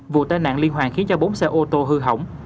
vụ tai nạn liên hoàn khiến cho bốn xe ô tô hư hỏng